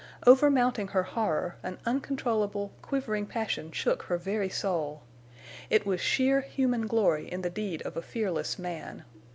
Over mounting her horror, an uncontrollable, quivering passion shook her very soul. It was sheer human glory in the deed of a fearless man.